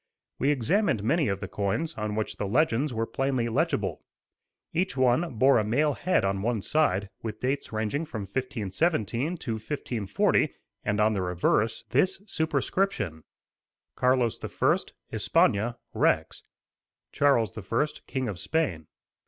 We examined many of the coins, on which the legends were plainly legible. Each one bore a male head on one side, with dates ranging from 1517 to 1540; and on the reverse, this superscription: "Carlos I., Espana: Rex" Charles I., King of Spain.